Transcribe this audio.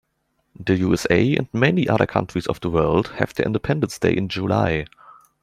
The USA and many other countries of the world have their independence day in July.